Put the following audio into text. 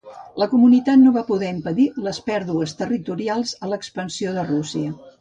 La Comunitat no va poder impedir les pèrdues territorials a l'expansió de Rússia.